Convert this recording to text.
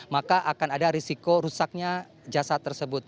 maka akan ada risiko rusaknya jasad tersebut